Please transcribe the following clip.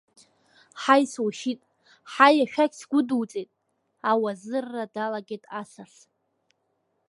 Ҳаи, сушьит, ҳаи, ашәақь сгәыдуҵеит, ауазырра далагеит асас.